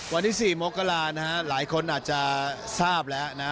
วันที่๔มกรานะฮะหลายคนอาจจะทราบแล้วนะ